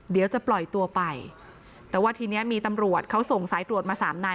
เดี๋ยวจะปล่อยตัวไปแต่ว่าทีเนี้ยมีตำรวจเขาส่งสายตรวจมาสามนาย